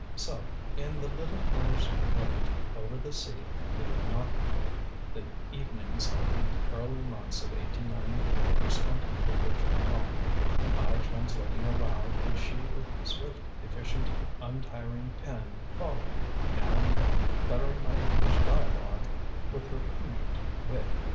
So, in the little Cornish cottage over the sea we then occupied, the evenings of the early months of 1894 were spent over Germinal, I translating aloud, and she with swift efficient untiring pen following, now and then bettering my English dialogue with her pungent wit.